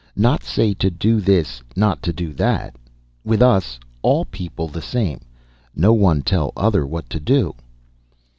Not say to do this, not to do that. With us all people the same, no one tell other what to do."